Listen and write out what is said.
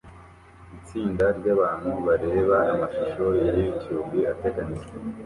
Itsinda ryabantu bareba amashusho ya YouTube ateganijwe